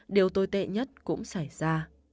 điều tồi tệ nhất cũng xảy ra